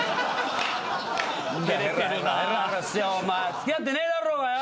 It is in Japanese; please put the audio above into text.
付き合ってねぇだろうがよ！